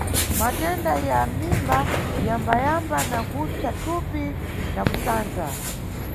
Matenda ya mʼmimba yambayamba na kupsa thupi na kusandza.